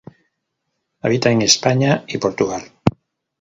Habita en España y Portugal.